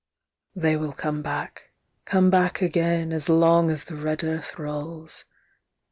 They will come back—come back again, as long as the red Earth rolls.